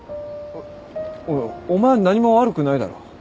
おいお前は何も悪くないだろ。